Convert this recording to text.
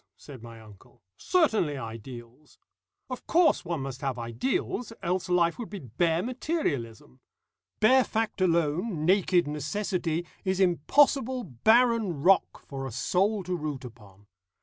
said my uncle; "certainly Ideals. Of course one must have ideals, else life would be bare materialism. Bare fact alone, naked necessity, is impossible barren rock for a soul to root upon.